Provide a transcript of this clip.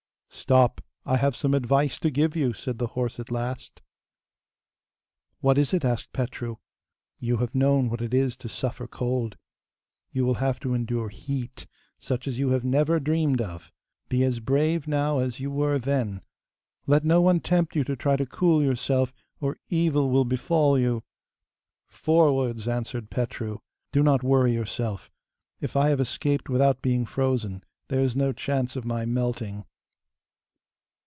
'Stop! I have some advice to give you,' said the horse at last. 'What is it?' asked Petru. 'You have known what it is to suffer cold; you will have to endure heat, such as you have never dreamed of. Be as brave now as you were then. Let no one tempt you to try to cool yourself, or evil will befall you.' 'Forwards!' answered Petru. 'Do not worry yourself. If I have escaped without being frozen, there is no chance of my melting.